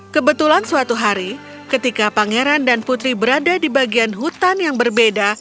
kebetulan suatu hari ketika pangeran dan putri berada di bagian hutan yang berbeda